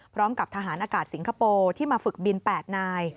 พร้อมกับทหารอากาศสิงคโปร์ที่มาฝึกบิน๘นาย